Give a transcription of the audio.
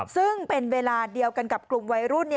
ซึ่งเป็นเวลาเดียวกันกับกลุ่มวัยรุ่น